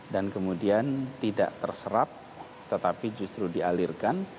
dan kemudian tidak terserap tetapi justru dialirkan